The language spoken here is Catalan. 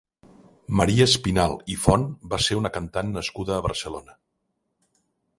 Maria Espinalt i Font va ser una cantant nascuda a Barcelona.